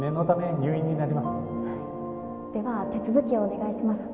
はいでは手続きをお願いします